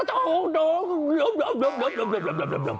อันนั้นเสียงไก่หรอ